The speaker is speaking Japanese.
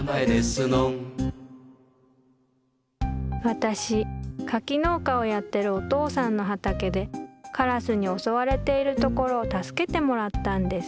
私柿農家をやってるおとうさんの畑でカラスに襲われているところを助けてもらったんです。